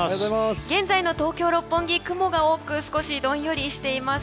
現在の東京・六本木雲が多く少しどんよりしています。